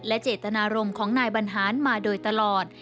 และเจตนารมณ์ของนายบ้านฮานมาโดยตลอด